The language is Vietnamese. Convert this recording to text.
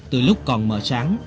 từ lúc còn mờ sáng